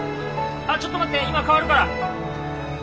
あっちょっと待って今代わるから。